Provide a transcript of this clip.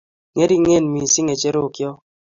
Ngeringen missing ngecherok cho